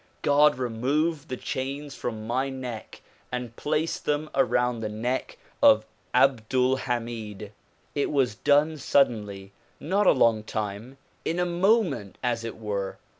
God removed the chains from my neck and placed them around the neck of Abdul Hamid. It was done suddenly, not a long time, in a moment as it were.